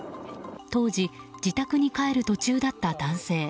当時、自宅に帰る途中だった男性。